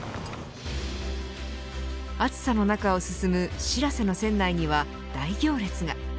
暑さの中を進むしらせの船内には大行列が。